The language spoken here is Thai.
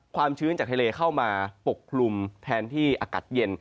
ความชื้นจากทะเลเข้ามาปกคลุมแทนที่อากาศเย็น